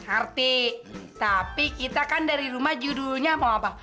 arti tapi kita kan dari rumah judulnya apa apa